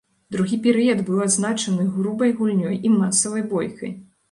Другі перыяд быў адзначаны грубай гульнёй і масавай бойкай.